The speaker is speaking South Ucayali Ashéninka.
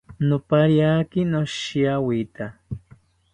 Nopariaki noshiawita